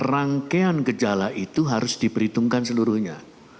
rangkaian gejala itu harus diperhitungkan seluruhnya